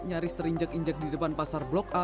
nyaris terinjak injak di depan pasar blok a